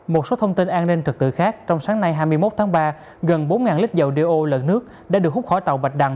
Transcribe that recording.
một số thông tin an ninh trật tự khác trong sáng nay hai mươi một tháng ba gần bốn lít dầu đeo ô lợn nước đã được hút khỏi tàu bạch đằng